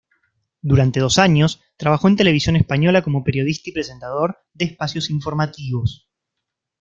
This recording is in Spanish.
Durante dos años, trabajó en Televisión Española como periodista y presentador de espacios informativos.